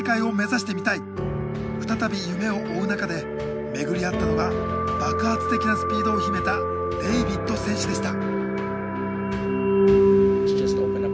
再び夢を追う中で巡り合ったのが爆発的なスピードを秘めたデイビッド選手でした。